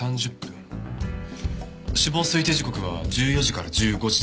死亡推定時刻は１４時から１５時です。